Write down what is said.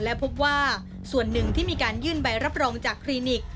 และพบว่าส่วนหนึ่งที่มีการยื่นใบรับรองจากคลินิก